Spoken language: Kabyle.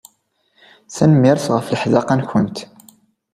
Tanemmirt ɣef leḥdaqa-nkent.